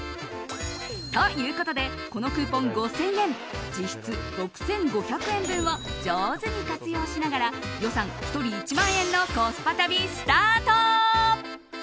ということでこのクーポン５０００円実質６５００円分を上手に活用しながら予算１人１万円のコスパ旅、スタート！